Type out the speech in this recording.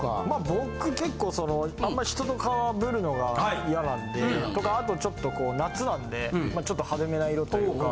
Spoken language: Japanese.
僕結構そのあんまり人とかぶるのが嫌なんでとかあとちょっとこう夏なんで派手めな色というか。